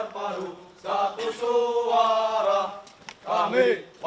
prioritas di dalam tni